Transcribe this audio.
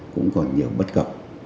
cũng còn nhiều bất cập